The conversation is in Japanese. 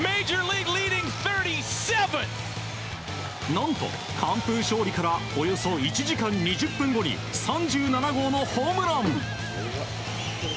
何と、完封勝利からおよそ１時間２０分後に３７本のホームラン！